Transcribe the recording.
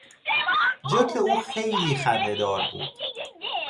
جوک او خیلی خندهدار بود.